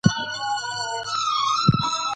نر د سختیو لپاره پیدا سوی او باید زیار وباسئ.